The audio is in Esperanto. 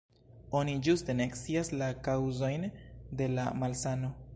Oni ĝuste ne scias la kaŭzojn de la malsano.